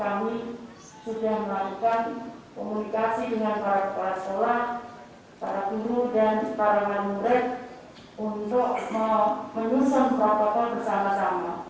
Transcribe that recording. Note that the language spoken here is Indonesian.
untuk menolong bapak bapak bersama sama